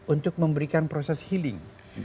untuk memberikan proses healing